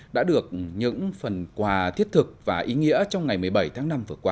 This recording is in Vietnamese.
đã được những phần quà thiết thực và ý nghĩa trong ngày một mươi bảy tháng năm vừa qua